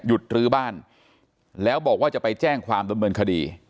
รื้อบ้านแล้วบอกว่าจะไปแจ้งความดำเนินคดี